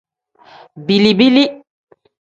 Bili-bili.